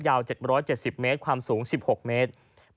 ๗๗๐เมตรความสูง๑๖เมตร